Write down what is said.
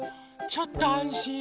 ちょっとあんしん。